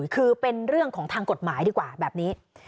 คือเป็นเรื่องของทางกฎหมายดีกว่าแบบนี้